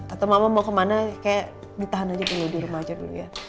atau mama mau kemana kayak ditahan aja dulu di remaja dulu ya